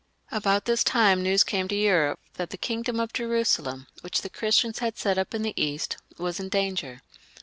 About this time news came to Europe that the kingdom of Jerusalem, which the Christians had set up in the East, was in danger.